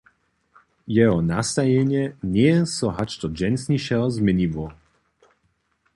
Jeho nastajenje njeje so hač do dźensnišeho změniło.